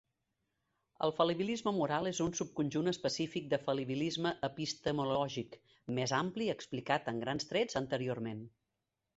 El fal·libilisme moral és un subconjunt específic del fal·libilisme epistemològic més ampli explicat a grans trets anteriorment.